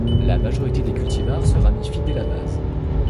La majorité des cultivars se ramifie dès la base.